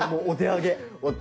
お手上げ？